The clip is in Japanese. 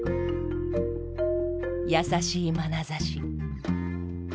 優しいまなざし。